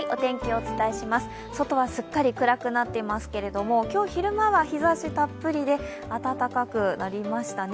外はすっかり暗くなっていますが今日、昼間は日ざしたっぷりで暖かくなりましたほ。